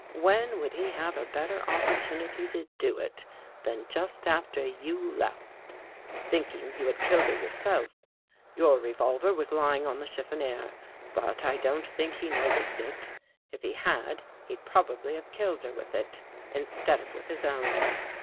When would he have a better opportunity to do it than just after you left, thinking you had killed her yourself? Your revolver was lying on the chiffonier. But I don't think he no ticed it. If he had, he'd probably have killed her with it, instead of with his own."